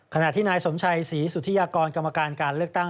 ขณะที่นายสมชัยศรีสุธิยากรกรรมการการเลือกตั้ง